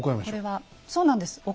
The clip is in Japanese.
これはそうなんです。